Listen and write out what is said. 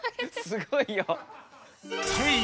すごいよ。